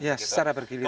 ya secara bergiliran